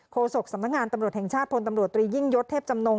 โศกสำนักงานตำรวจแห่งชาติพลตำรวจตรียิ่งยศเทพจำนง